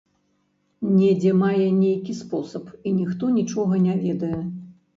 Недзе мае нейкі спосаб, і ніхто нічога не ведае.